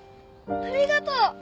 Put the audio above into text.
ありがとう！